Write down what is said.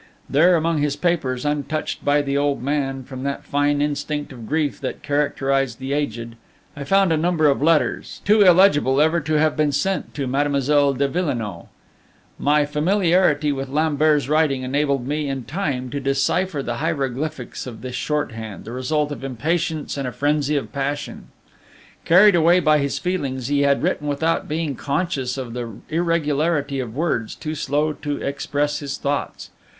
There among his papers, untouched by the old man from that fine instinct of grief that characterized the aged, I found a number of letters, too illegible ever to have been sent to Mademoiselle de Villenoix. My familiarity with Lambert's writing enabled me in time to decipher the hieroglyphics of this shorthand, the result of impatience and a frenzy of passion. Carried away by his feelings, he had written without being conscious of the irregularity of words too slow to express his thoughts.